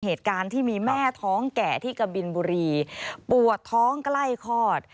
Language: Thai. เหตุการณ์ที่มีแม่ท้องแก่ที่กะบินบุรีปวดท้องใกล้คลอด